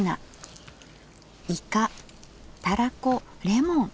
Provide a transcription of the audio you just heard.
いかたらこレモン。